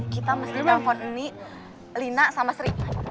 kita mesti dalam fort ini lina sama sri